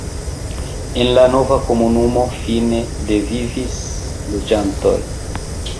En la nova komunumo fine de vivis loĝantoj.